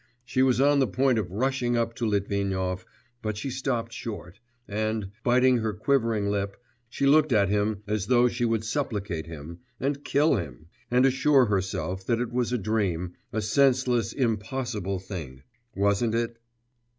She was on the point of rushing up to Litvinov, but she stopped short, and, biting her quivering lip, she looked at him as though she would supplicate him, and kill him, and assure herself that it was a dream, a senseless, impossible thing, wasn't it?